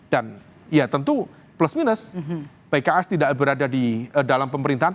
dan ya tentu plus minus pks tidak berada di dalam pemerintahan